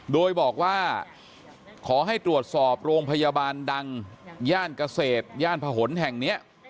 โดยบอกว่าขอให้ตรวจสอบโรงพยาบาลดังย่านเกษตรย่านผนแห่งนี้